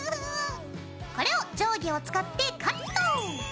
これを定規を使ってカット！